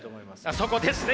そこですね！